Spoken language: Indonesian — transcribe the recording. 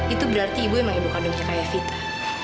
itu berarti ibu memang ibu kandungnya kayak evita